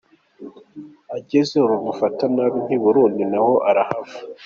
Agezey o bamufata nabi nk’I Burundi na ho arahava.